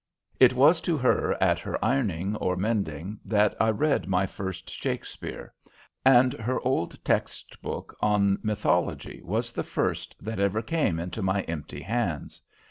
It was to her, at her ironing or mending, that I read my first Shakspere, and her old text book on mythology was the first that ever came into my empty hands.